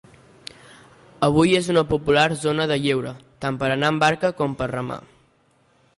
Avui es una popular zona de lleure, tant per anar en barca com per remar.